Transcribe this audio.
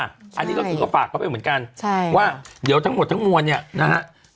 อันนี้ก็คือก็ฝากเขาไปเหมือนกันใช่ว่าเดี๋ยวทั้งหมดทั้งมวลเนี่ยนะฮะ